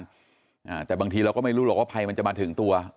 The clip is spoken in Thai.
อ่าแต่บางทีเราก็ไม่รู้หรอกว่าภัยมันจะมาถึงตัว